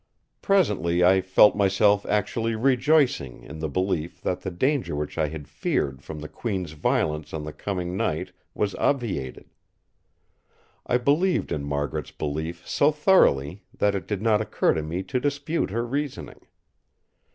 Presently I felt myself actually rejoicing in the belief that the danger which I had feared from the Queen's violence on the coming night was obviated. I believed in Margaret's belief so thoroughly that it did not occur to me to dispute her reasoning.